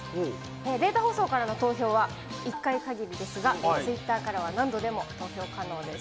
データ放送からの投票は、１回限りですが、ツイッターからは何度でも投票可能です。